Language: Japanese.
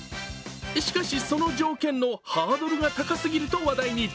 しかし、その条件のハードルが高すぎると話題に。